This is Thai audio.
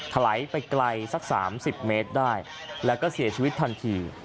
ไหลไปไกลสัก๓๐เมตรได้แล้วก็เสียชีวิตทันที